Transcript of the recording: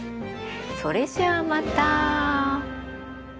それじゃあまた。